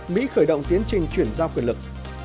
mỹ khởi động tiến trình chuyển giao quyền lực